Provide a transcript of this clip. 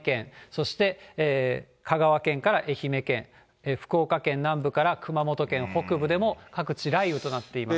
そして香川県から愛媛県、福岡県南部から熊本県北部でも各地、雷雨となっています。